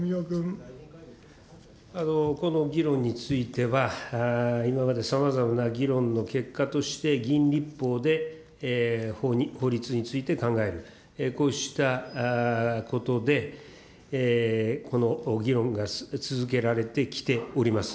この議論については、今までさまざまな議論の結果として、議員立法で法律について考える、こうしたことで、この議論が続けられてきております。